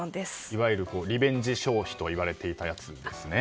いわゆるリベンジ消費といわれていたやつですね。